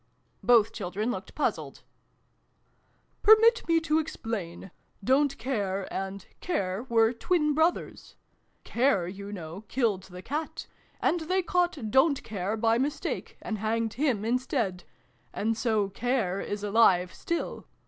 Both children looked puzzled. " Permit me to explain. ' Don't care ' and ' Care' were twin brothers. ' Care,' you know, killed the Cat. And they caught ' Don't care ' by mistake, and hanged him instead. And so ' Care ' is alive still.